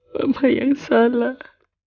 mama yang salah